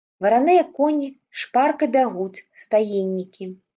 Вараныя коні шпарка бягуць, стаеннікі.